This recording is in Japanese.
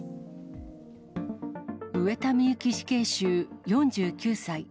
上田美由紀死刑囚４９歳。